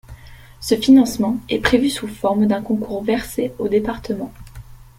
Ce financement est prévu sous forme d’un concours versé aux départements.